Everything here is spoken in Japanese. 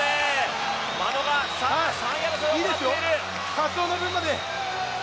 眞野が３位争いを狙っている！